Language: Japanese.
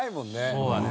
そうだね。